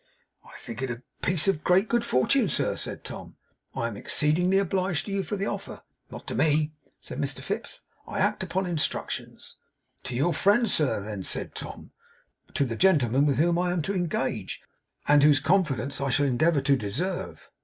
'I think it a piece of great good fortune, sir,' said Tom. 'I am exceedingly obliged to you for the offer.' 'Not to me,' said Mr Fips. 'I act upon instructions.' 'To your friend, sir, then,' said Tom. 'To the gentleman with whom I am to engage, and whose confidence I shall endeavour to deserve.